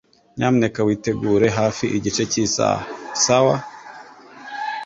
Nyamuneka witegure hafi igice cy'isaha, sawa?